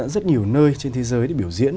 rất nhiều nơi trên thế giới để biểu diễn